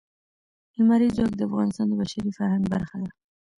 لمریز ځواک د افغانستان د بشري فرهنګ برخه ده.